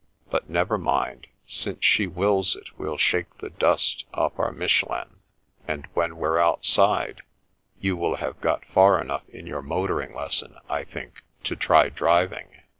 But never mind, since she wills it, we'll shake the dust off our Miche lins, and when we're outside, you will have got far enough in your motoring lesson, I think, to try driving."